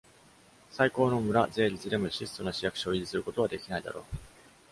最高の「村」税率でも質素な市役所を維持することはできないだろう。